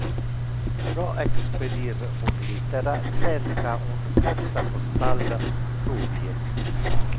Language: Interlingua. Pro expedir un littera, cerca un cassa postal rubie.